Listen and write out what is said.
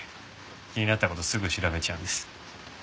気になった事すぐ調べちゃうんです。